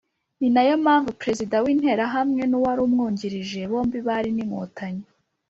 Ni nayo mpamvu Prezida w'Interahamwe n'uwari umwungirije, bombi bari n'Inkotanyi.